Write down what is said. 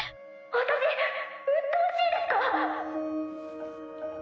私うっとうしいですか？